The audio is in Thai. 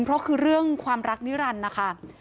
เพราะคือเรื่องความรักนิรันดิ์นะคะ